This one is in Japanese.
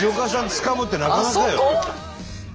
つかむってなかなかよ。